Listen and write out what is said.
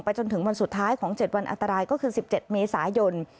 ไปจนถึงวันสุดท้ายของเจ็ดวันอัตรายก็คือสิบเจ็ดเมษายน